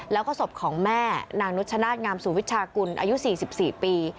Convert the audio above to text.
แล้วก็ศพของแม่นางนุชชนาธิงามสู่วิชากุลอายุ๔๔ปี